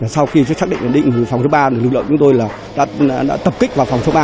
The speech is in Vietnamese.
sau khi tôi xác định và định phòng số ba lực lượng chúng tôi đã tập kích vào phòng số ba